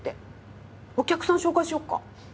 お客さん紹介しよっか？